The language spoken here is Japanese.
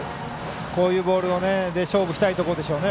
こういうボールで勝負したいところですね。